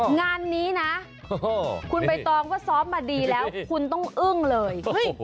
งานนี้นะคุณใบตองว่าซ้อมมาดีแล้วคุณต้องอึ้งเลย